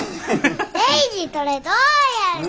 レイジこれどうやるの？